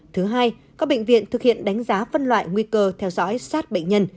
thứ hai các bệnh viện thực hiện đánh giá phân loại nguy cơ theo dõi sát bệnh nhân